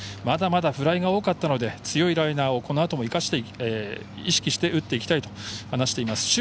まだまだフライが多かったので強いライナーをこのあとも意識して打っていきたいと話しています。